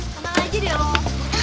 tenang aja deh loh